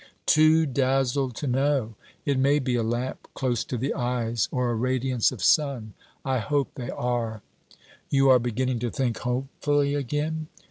'Too dazzled to know! It may be a lamp close to the eyes or a radiance of sun. I hope they are.' 'You are beginning to think hopefully again?'